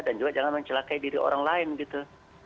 dan juga jangan mencelakai diri orang lain gitu